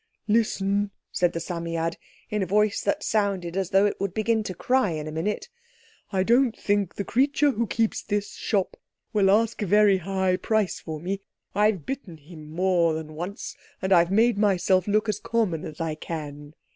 "Listen," said the Psammead, in a voice that sounded as though it would begin to cry in a minute, "I don't think the creature who keeps this shop will ask a very high price for me. I've bitten him more than once, and I've made myself look as common as I can.